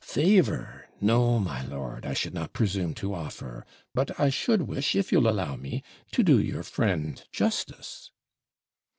'Favour! No, my lord, I should not presume to offer But I should wish, if you'll allow me, to do your friend justice.'